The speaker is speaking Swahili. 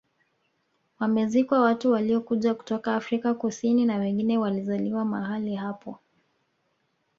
Wamezikwa watu waliokuja kutoka Afrika Kusini na wengine walizaliwa mahali hapo